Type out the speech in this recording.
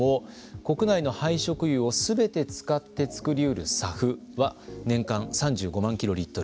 国内の廃食油をすべて使ってつくり得るＳＡＦは年間３５万キロリットル。